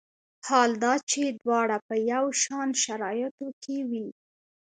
حال دا چې دواړه په یو شان شرایطو کې وي.